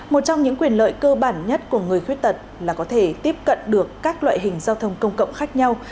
một trong những quyền lợi cơ bản nhất của người khuyết tật là có thể tiếp cận được các loại hình giao thông công cộng khác nhau